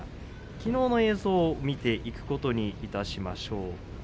きのうの映像を見ていくことにいたしましょう。